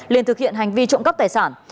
liên thực hiện hành vi trộm cắp tài sản